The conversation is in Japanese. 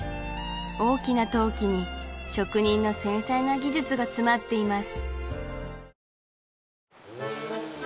大きな陶器に職人の繊細な技術が詰まっています